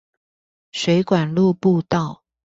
水管路步道